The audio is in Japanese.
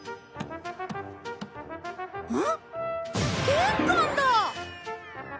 玄関だ！